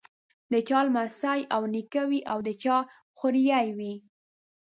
د چا لمسی او نیکه وي او د چا خوريی وي.